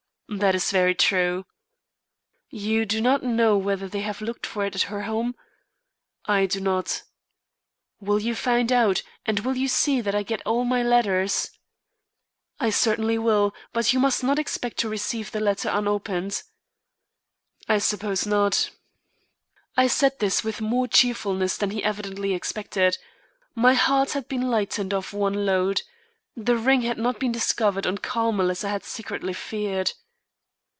"That is very true." "You do not know whether they have looked for it at her home?" "I do not." "Will you find out, and will you see that I get all my letters?" "I certainly will, but you must not expect to receive the latter unopened." "I suppose not." I said this with more cheerfulness than he evidently expected. My heart had been lightened of one load. The ring had not been discovered on Carmel as I had secretly feared.